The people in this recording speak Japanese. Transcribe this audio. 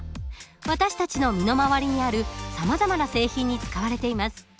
私たちの身の回りにあるさまざまな製品に使われています。